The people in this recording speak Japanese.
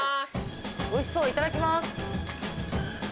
おいしそういただきます。